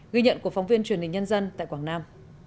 ghi nhận của phóng viên truyền hình nhân dân tại quảng nam